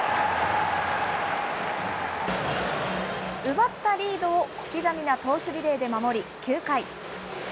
奪ったリードを小刻みな投手リレーで守り、９回。